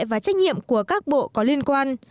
và trách nhiệm của các bộ có liên quan